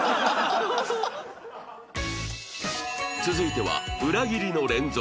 続いては「裏切りの連続」。